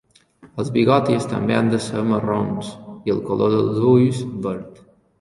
Els bigotis també han de ser marrons i el color dels ulls verd.